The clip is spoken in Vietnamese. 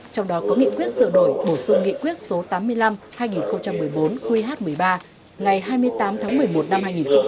trong đó có nghị quyết sửa đổi bổ sung nghị quyết số tám mươi năm hai nghìn một mươi bốn qh một mươi ba ngày hai mươi tám tháng một mươi một năm hai nghìn một mươi